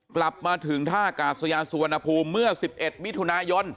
กลับมาถึงท่ากาศยานสุวรรณภูมิเมื่อ๑๑มิถุนายน